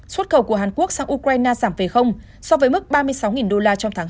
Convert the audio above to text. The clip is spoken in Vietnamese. xuất khẩu của hàn quốc sang ukraine giảm về so với mức ba mươi sáu đô la trong tháng hai